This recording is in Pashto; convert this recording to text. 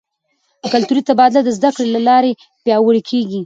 کلتوري تبادله د زده کړې له لارې پیاوړې کیږي.